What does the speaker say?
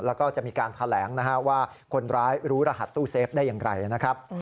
แล้วก็จะมีการแถลงว่าคนร้ายรู้รหัสตู้เซฟได้ยังไง